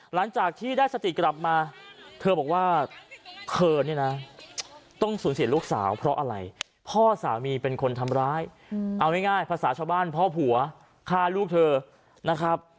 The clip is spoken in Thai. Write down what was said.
หลังจากที่ได้สติกลับมาเธอบอกว่าเธอเนี่ยนะต้องสูญเสียลูกสาวเพราะอะไรพ่อสามีเป็นคนทำร้ายเอาง่ายภาษาชาวบ้านพ่อผัวฆ่าลูกเธอนะครับ